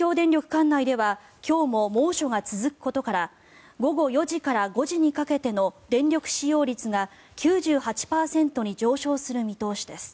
管内では今日も猛暑が続くことから午後４時から５時にかけての電力使用率が９８％に上昇する見通しです。